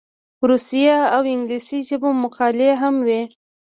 روسي او انګلیسي ژبو مقالې هم وې.